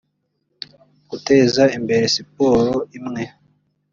guteza imbere siporo imwe